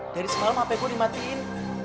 dari semalam hp bu dimatiin